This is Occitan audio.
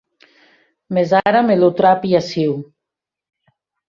Mès ara me lo trapi aciu.